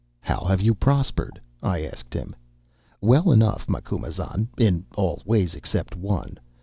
"'How have you prospered?' I asked him. "'Well enough, Macumazahn, in all ways except one.